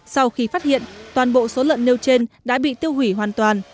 sau khi phát hiện toàn bộ số lợn nêu trên đã bị tiêu hủy hoàn toàn